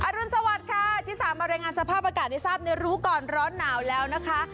รุนสวัสดิ์ค่ะชิสามารายงานสภาพอากาศให้ทราบในรู้ก่อนร้อนหนาวแล้วนะคะ